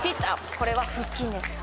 これは腹筋です